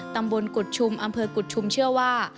ตำบลกุฎชุมอำเภอกุฎชุมเชื่อว่า